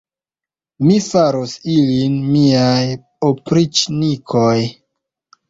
Mi faros ilin miaj opriĉnikoj!